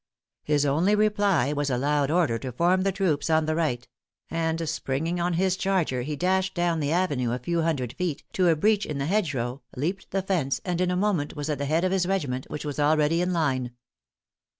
His only reply was a loud order to form the troops on the right; and springing on his charger, he dashed down the avenue a few hundred feet, to a breach in the hedge row, leaped the fence, and in a moment was at the head of his regiment, which was already in line.